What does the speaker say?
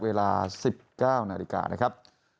เวลา๑๙นาฬิกานะครับ